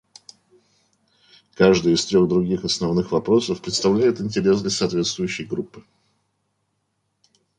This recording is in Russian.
Каждый из трех других основных вопросов представляет интерес для соответствующей группы.